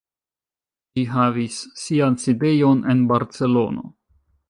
Ĝi havis sian sidejon en Barcelono.